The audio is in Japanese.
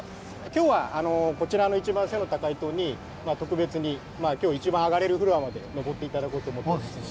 今日はこちらの一番背の高い棟に特別に今日一番上がれるフロアまで上って頂こうと思っておりますので。